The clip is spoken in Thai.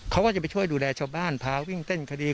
เขาก็จะไปช่วยดูแลชาวบ้านพาวิ่งเต้นคดี